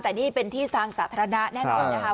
แต่นี่เป็นที่ทางสาธารณะแน่นอนนะคะ